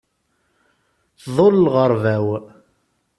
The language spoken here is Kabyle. Tḍul lɣerba-w.